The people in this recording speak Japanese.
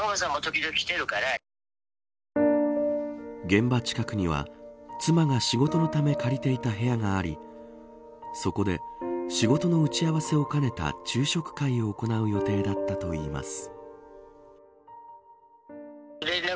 現場近くには妻が仕事のため借りていた部屋がありそこで仕事の打ち合わせを兼ねた昼食会を行う予定だったといいます。